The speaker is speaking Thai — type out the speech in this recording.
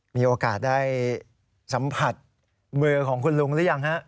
มีโอกาสได้สัมผัสมือของคุณลุงหรือยังฮะ